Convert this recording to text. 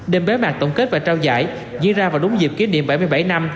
đêm bế mạc tổng kết và trao giải diễn ra vào đúng dịp kỷ niệm bảy mươi bảy năm